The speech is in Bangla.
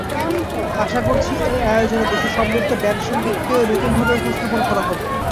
আশা করছি, এই আয়োজনে দেশের সমৃদ্ধ ব্যান্ডসংগীতকে নতুনভাবে উপস্থাপন করা হবে।